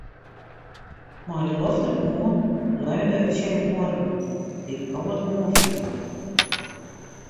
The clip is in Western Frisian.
Mei de lofterhân leunde er tsjin de muorre oan, dy't kâld oanfielde.